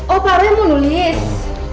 oh pak roy mau nulis